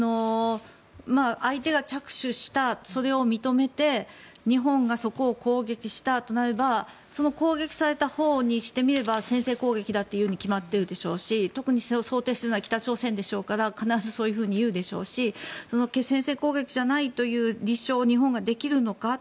相手が着手した、それを認めて日本がそこを攻撃したとなればその攻撃されたほうにしてみれば先制攻撃だというに決まっているでしょうし特に想定しているのは北朝鮮ですから必ずそういうふうに言うでしょうし先制攻撃じゃないという立証を日本ができるのか。